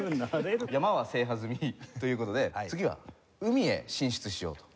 山は制覇済みという事で次は海へ進出しようと。